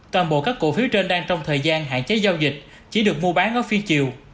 toàn bộ các cổ phiếu trên đang trong thời gian hạn chế giao dịch chỉ được mua bán ở phiên chiều